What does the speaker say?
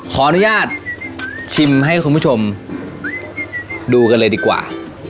ขออนุญาตชิมให้คุณผู้ชมดูกันเลยดีกว่า